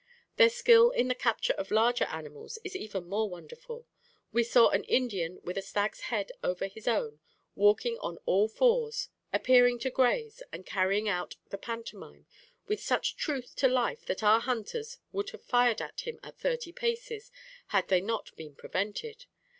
"Their skill in the capture of larger animals is even more wonderful. We saw an Indian with a stag's head over his own, walking on all fours, appearing to graze, and carrying out the pantomime with such truth to life that our hunters would have fired at him at thirty paces had they not been prevented.